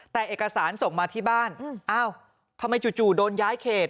แต่เอกสารส่งมาที่บ้านอ้าวทำไมจู่โดนย้ายเขต